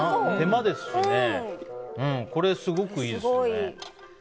これ、すごくいいですね。